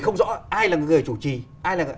không rõ ai là người chủ trì ai là